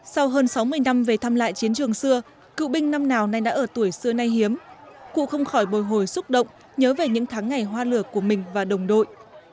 sau hơn sáu mươi năm về thăm lại chiến trường xưa cựu binh năm nào nay đã ở tuổi xưa nay hiếm cụ không khỏi bồi hồi xúc động nhớ về những tháng ngày hoa lửa của mình và đồng đội